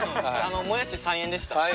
もやし３円でした。